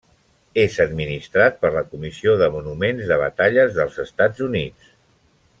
És administrat per la Comissió de Monuments de Batalles dels Estats Units.